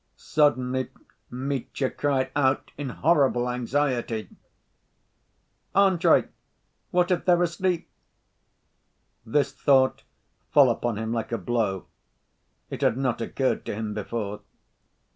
Suddenly Mitya cried out in horrible anxiety: "Andrey! What if they're asleep?" This thought fell upon him like a blow. It had not occurred to him before.